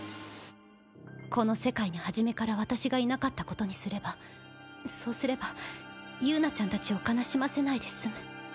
この世界に初めから私がいなかったことにすればそうすれば友奈ちゃんたちを悲しませないで済む。